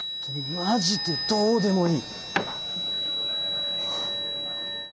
まじで、どうでもいい！